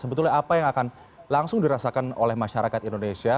sebetulnya apa yang akan langsung dirasakan oleh masyarakat indonesia